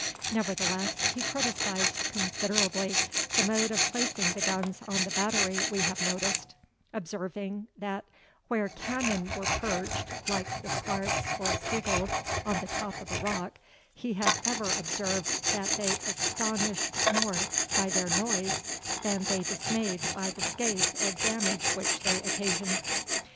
Nevertheless, he criticised considerably the mode of placing the guns on the battery we have noticed, observing, that "where cannon were perched, like to scarts or sea gulls on the top of a rock, he had ever observed that they astonished more by their noise than they dismayed by the skaith or damage which they occasioned."